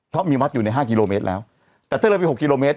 เพราะมีวัดอยู่ในห้ากิโลเมตรแล้วแต่ถ้าเลยไปหกกิโลเมตร